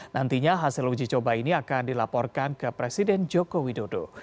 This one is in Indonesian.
nantinya hasil uji coba ini akan dilaporkan ke presiden joko widodo